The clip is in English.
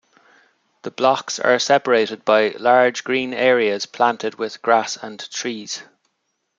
The blocks are separated by large green areas planted with grass and trees.